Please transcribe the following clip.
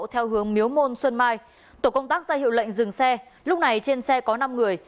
theo hướng miếu môn xuân mai tổ công tác ra hiệu lệnh dừng xe lúc này trên xe có năm người